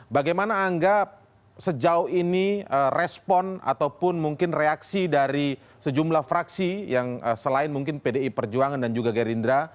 bagaimana angga sejauh ini respon ataupun mungkin reaksi dari sejumlah fraksi yang selain mungkin pdi perjuangan dan juga gerindra